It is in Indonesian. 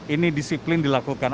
ini disiplin dilakukan